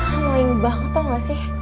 ini bling banget tau gak sih